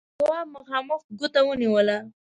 تواب مخامخ ګوته ونيوله: